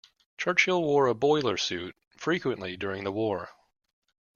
Churchill wore a boiler suit frequently during the war